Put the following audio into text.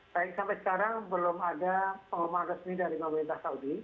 baik sampai sekarang belum ada pengumuman resmi dari pemerintah saudi